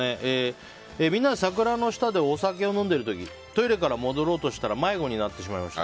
みんなで桜の下でお酒を飲んでいる時トイレから戻ろうとしたら迷子になってしまいました。